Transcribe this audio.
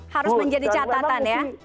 harus menjadi catatan ya